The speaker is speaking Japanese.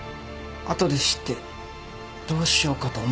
後で知ってどうしようかと思ったんですけど。